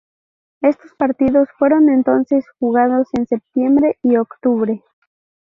Esos partidos fueron entonces jugados en septiembre y octubre.